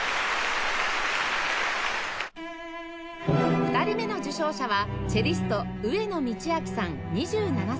２人目の受賞者はチェリスト上野通明さん２７歳